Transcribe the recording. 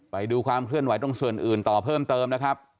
ไปดูความเคลื่อนไหวตรงส่วนอื่นต่อเพิ่มเติมนะครับ